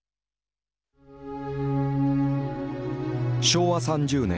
昭和３０年。